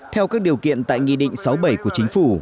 theo các điều kiện tại nghị định sáu mươi bảy của chính phủ